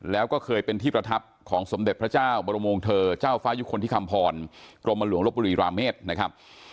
แล้วก็เคยเป็นที่ประทับของสมเด็จพระเจ้าบรมวงเธอเจ้าฟ้ายุคลที่คำพรกรมหลวงลบบุรีราเมษนะครับ